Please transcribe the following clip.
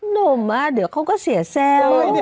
หนุ่มเดี๋ยวเขาก็เสียแซว